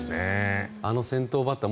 あの先頭バッター